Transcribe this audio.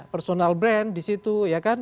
personal brand disitu ya kan